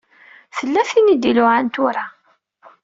Tella tin i d-iluɛan tura.